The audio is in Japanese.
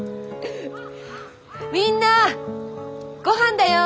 みんなごはんだよ！